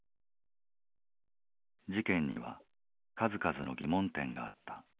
事件には数々の疑問点があった。